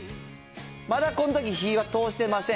まだこんとき、火は通していません。